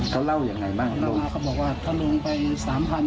เขาเล่ายังไงบ้างเล่ามาเขาบอกว่าถ้าลงไปสามพัน